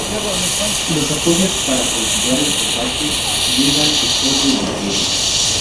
Los apoyos para continuar el combate llegan de todo el Imperio.